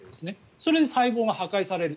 それで細胞が破壊される。